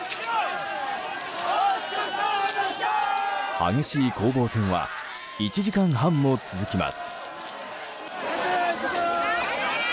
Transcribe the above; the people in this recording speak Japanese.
激しい攻防戦は１時間半も続きます。